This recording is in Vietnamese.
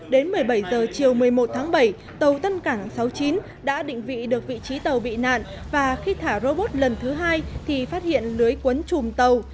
đến một mươi bảy h chiều một mươi một tháng bảy tàu tân cảng sáu mươi chín đã định vị được vị trí tàu bị nạn và khi thả robot lần thứ hai thì phát hiện lưới quấn chùm tàu